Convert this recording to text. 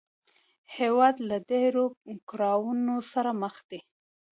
هېواد له ډېرو کړاوونو سره مخ دی